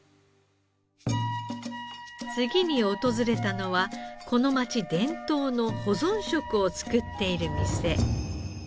次に訪れたのはこの町伝統の保存食を作っている店。